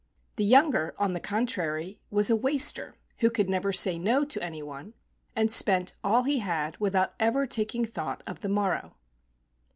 The younger, on the contrary, was a waster who could never say no to any one, and spent all he had without ever taking thought of the morrow.